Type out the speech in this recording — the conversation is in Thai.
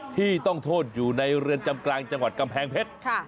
ที่ต้องโทษอยู่ในเรือนกลางจะวัดกัมเพชร